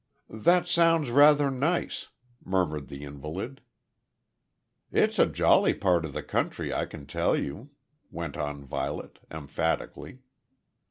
"That sounds rather nice," murmured the invalid. "It's a jolly part of the country I can tell you," went on Violet, emphatically.